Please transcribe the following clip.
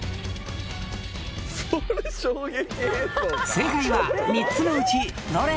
正解は３つのうちどれ？